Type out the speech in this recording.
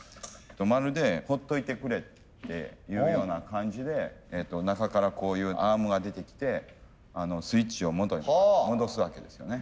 まるでほっといてくれっていうような感じで中からこういうアームが出てきてスイッチを元に戻すわけですよね。